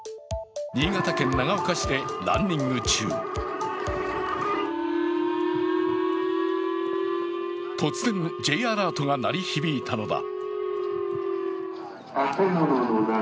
新潟県長岡市でランニング中突然Ｊアラートが鳴り響いたのだ。